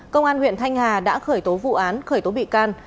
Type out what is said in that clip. công an huyện thanh hà đã khởi tố vụ án khởi tố bị can